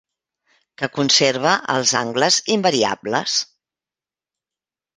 Que conserva els angles invariables.